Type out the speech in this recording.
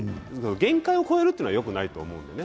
限界を超えるというのはよくないと思います。